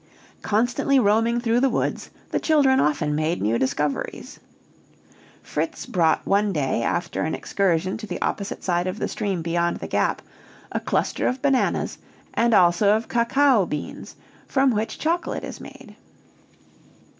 Constantly roaming through the woods, the children often made new discoveries. Fritz brought one day, after an excursion to the opposite side of the stream beyond the Gap, a cluster of bananas, and also of cacao beans, from which chocolate is made.